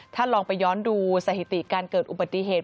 ถ้าลองไปย้อนดูสถิติการเกิดอุบัติเหตุ